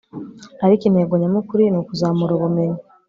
ariko intego nyamukuru ni ukuzamura ubumenyi